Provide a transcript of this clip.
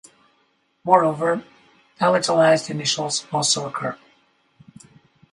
Moreover, palatalized initials also occur.